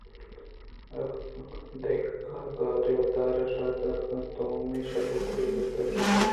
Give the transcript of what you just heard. دہقان کارے ءَ وتارا شہار داتگ اَت ءُ توامیں شپ ءَ کُلی ءِ صوت گوٛش داشتاں